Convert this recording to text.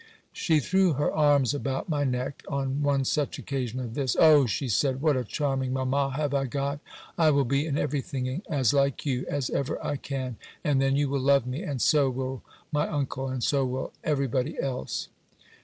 She threw her arms about my neck, on one such occasion as this; "Oh," said she, "what a charming mamma have I got! I will be in every thing as like you, as ever I can! and then you will love me, and so will my uncle, and so will every body else."